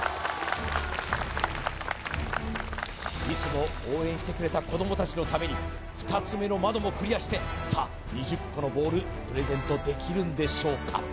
いつも応援してくれた子どもたちのために２つ目の窓もクリアしてさあ２０個のボールプレゼントできるんでしょうか？